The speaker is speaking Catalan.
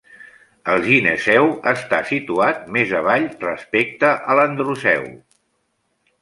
El gineceu està situat més avall respecte a l'androceu.